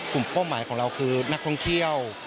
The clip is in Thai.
เป้าหมายของเราคือนักท่องเที่ยว